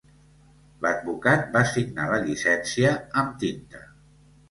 L'advocat va signar la llicència amb tinta.